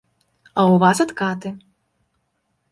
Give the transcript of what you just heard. А ў вас адкаты.